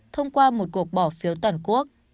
thông qua một cuộc bỏ phiếu toàn quốc